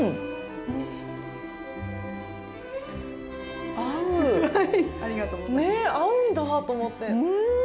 ねっ合うんだと思って。